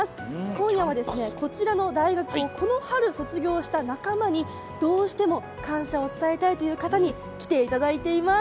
今夜は、こちらの大学をこの春、卒業した仲間に、どうしても感謝を伝えたいという方に来ていただいています。